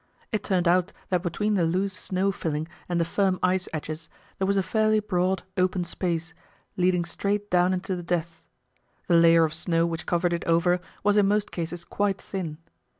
It turned out that between the loose snow filling and the firm ice edges there was a fairly broad, open space, leading straight down into the depths. The layer of snow which covered it over was in most cases quite thin.